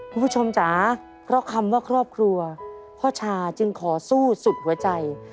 คุณผู้ชมจ๋าเพราะคำว่าครอบครัวพ่อชาจึงขอสู้สุดหัวใจ